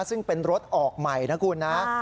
ซึ่งเป็นรถออกใหม่นะคุณนะ